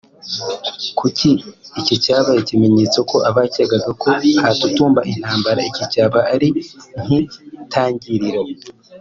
kuko iki cyabaye ikimenyetso ko abakekaga ko hatutumba intambara iki cyaba ari nk’itangiriro